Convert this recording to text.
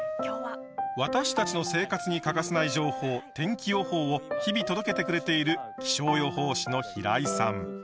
私たちの生活に欠かせない情報「天気予報」を日々届けてくれている気象予報士の平井さん。